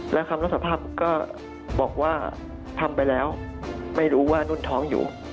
แล้วคำลักษณะภัณฑ์ก็บอกว่าทำไปแล้วไม่รู้ว่านู่นท้องอยู่